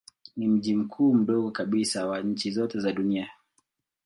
Ni mji mkuu mdogo kabisa wa nchi zote za dunia.